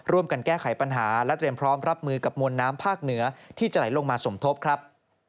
แก้ไขปัญหาและเตรียมพร้อมรับมือกับมวลน้ำภาคเหนือที่จะไหลลงมาสมทบครับ